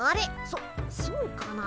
そそうかな？